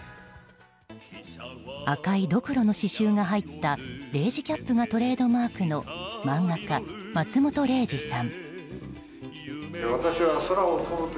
赤いどくろの刺しゅうが入った零士キャップがトレードマークの漫画家・松本零士さん。